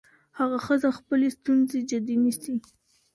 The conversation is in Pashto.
هغه ښځه خپلې ستونزې جدي نيسي.